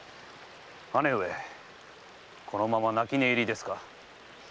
姉上このまま泣き寝入りですか。